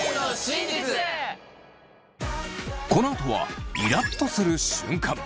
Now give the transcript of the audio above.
このあとはイラっとする瞬間。